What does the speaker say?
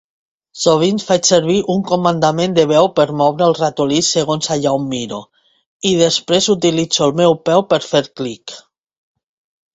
Sovint faig servir un comandament de veu per moure el ratolí segons allà on miro i després utilitzo el meu peu per fer clic.